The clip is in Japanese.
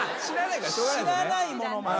知らないものまね。